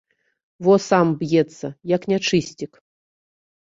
Во сам б'ецца, як нячысцік.